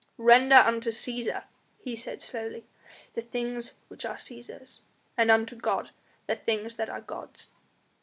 "Render unto Cæsar," he said slowly, "the things which are Cæsar's, and unto God the things that are God's."